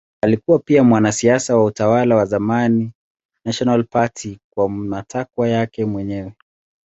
Alikuwa pia mwanasiasa wa utawala wa zamani National Party kwa matakwa yake mwenyewe.